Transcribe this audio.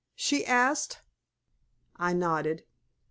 she asked. I nodded.